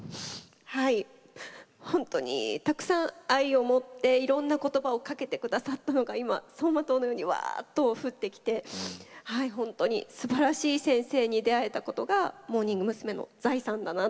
はい本当にたくさん愛を持っていろんな言葉をかけて下さったのが今走馬灯のようにわっと降ってきてはい本当にすばらしい先生に出会えたことがモーニング娘。の財産だなと思います。